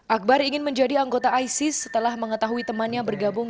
akbar ingin menjadi anggota isis setelah mengetahui temannya bergabung